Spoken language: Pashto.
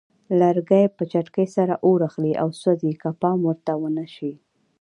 لرګي په چټکۍ سره اور اخلي او سوځي که پام ورته ونه شي.